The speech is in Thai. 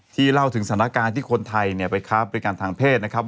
เล่าถึงสถานการณ์ที่คนไทยเนี่ยไปค้าบริการทางเพศนะครับ